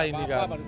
nah ini kan